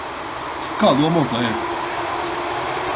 Escalou a montanha